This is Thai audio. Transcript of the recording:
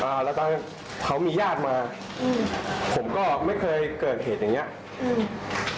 อ่าแล้วก็เขามีญาติมาอืมผมก็ไม่เคยเกิดเหตุอย่างเงี้ยอืม